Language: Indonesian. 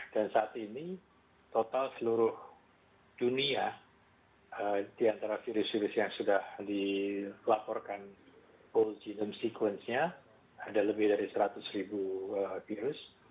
dan saat ini total seluruh dunia diantara virus virus yang sudah dilaporkan whole genome sequence nya ada lebih dari seratus ribu virus